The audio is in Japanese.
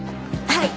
はい。